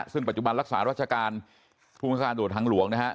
ซึ่งปัจจุบันรักษารัชการภูมิชาการตรวจทางหลวงนะฮะ